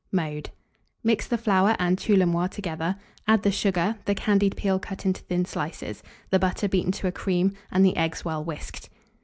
Mode. Mix the flour and tous les mois together; add the sugar, the candied peel cut into thin slices, the butter beaten to a cream, and the eggs well whisked.